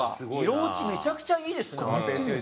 色落ちめちゃくちゃいいですね。